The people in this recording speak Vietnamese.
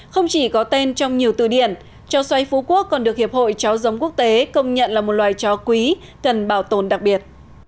không chỉ có tên trong nhiều từ điển trò xoay phú quốc còn được hiệp hội chó giống quốc tế công nhận là một loài chó quý cần bảo tồn đặc biệt